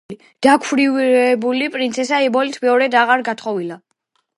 დაქვრივებული პრინცესა ებოლი მეორედ აღარ გათხოვილა.